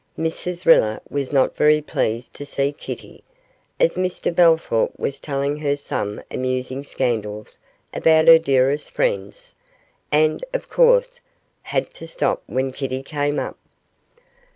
Mrs Riller was not very pleased to see Kitty, as Mr Bellthorp was telling her some amusing scandals about her dearest friends, and, of course, had to stop when Kitty came up.